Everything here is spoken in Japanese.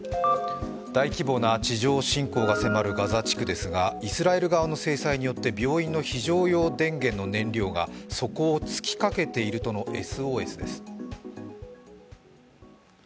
大規模な地上侵攻が迫るガザ地区ですがイスラエル側の制裁によって病院の非常用電源の燃料が底を尽きかけているとのＳＯＳです。